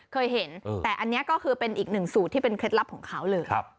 เคยเห็นแต่จร